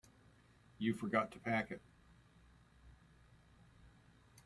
You forgot to pack it.